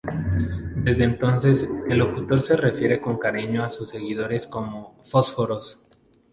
Desde entonces, el locutor se refiere con cariño a sus seguidores como "fósforos".